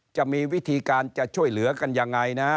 จะมีวิธีการจะช่วยเหลือกันยังไงนะฮะ